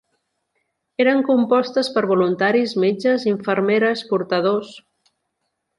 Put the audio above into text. Eren compostes per voluntaris, metges, infermeres, portadors.